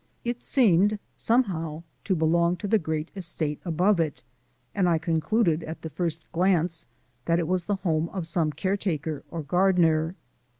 It seemed somehow to belong to the great estate above it, and I concluded, at the first glance, that it was the home of some caretaker or gardener.